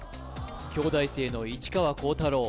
京大生の市川航太郎